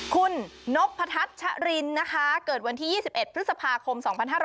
คุณนพพะทัศน์ชะรินนะคะเกิดวันที่๒๑ภศภาคม๒๕๑๖